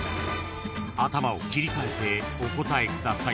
［頭を切り替えてお答えください］